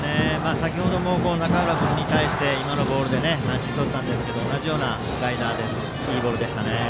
先程も中浦君に対して今のボールで三振をとったんですが同じようなスライダーでいいボールでしたね。